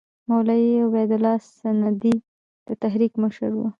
مولوي عبیدالله سندي د تحریک مشر وو.